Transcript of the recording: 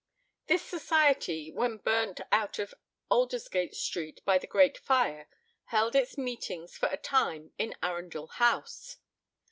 This society, when burnt out of Aldersgate Street by the Great Fire, held its meetings for a time in Arundel House.